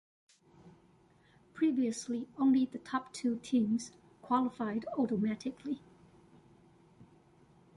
Previously only the top two teams qualified automatically.